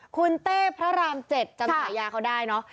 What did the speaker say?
คุณเต้พระรามเจ็ดจำหน่อยยาเขาได้เนอะ